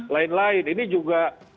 lain lain ini juga